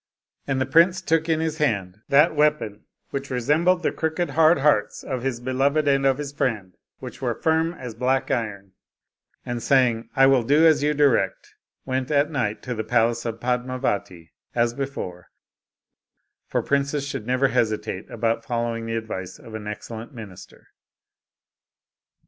And the prince took in his hand that weapon which resembled the crooked hard hearts of his beloved and of his friend, which were firm as black iron; and saying, " I will do as you direct," went at night to the palace of Padmavati as before, for princes should never hesitate about following the advice of an excellent minister.